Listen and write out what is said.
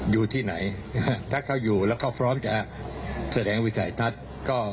อยู่ที่ไหนถ้าเขาอยู่แล้วเขาพร้อมจะแสดงวิสัยทัศน์